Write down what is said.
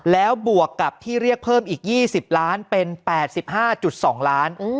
แล้วบวกกับที่เรียกเพิ่มอีก๒๐ล้านเป็น๘๕๒ล้าน